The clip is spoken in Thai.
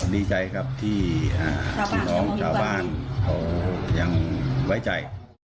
ดีใจครับที่พี่น้องชาวบ้านเขายังไว้ใจ